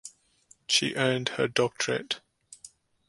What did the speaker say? She earned her doctorate.